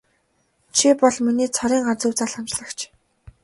Чи бол миний цорын ганц өв залгамжлагч.